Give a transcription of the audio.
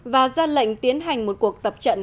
và ra lệnh tiến hành một cuộc tập trận